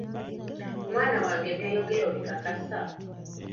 Mwana wange by'oyogera obikakasa?